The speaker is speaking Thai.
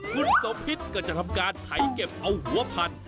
คุณสมพิษก็จะทำการไถเก็บเอาหัวพันธุ